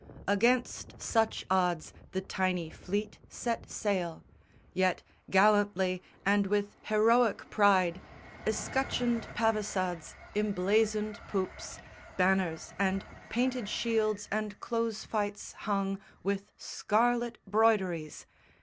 Against such odds the tiny fleet set sail; Yet gallantly and with heroic pride, Escutcheoned pavisades, emblazoned poops, Banners and painted shields and close fights hung With scarlet broideries.